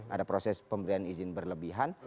ada proses pemberian izin berlebihan